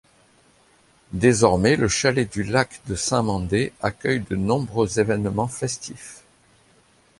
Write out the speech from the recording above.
Désormais le Chalet du Lac de Saint-Mandé accueille de nombreux événements festifs.